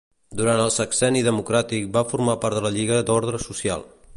Durant el sexenni democràtic va formar part de la Lliga d'Ordre Social.